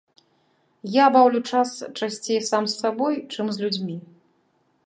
Я баўлю час часцей сам з сабой, чым з людзьмі.